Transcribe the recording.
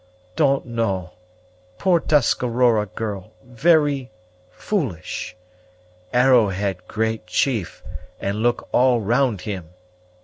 "Don't know. Poor Tuscarora girl very foolish. Arrowhead great chief, and look all round him.